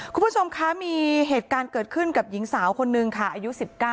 คุณผู้ชมคะมีเหตุการณ์เกิดขึ้นกับหญิงสาวคนนึงค่ะอายุ๑๙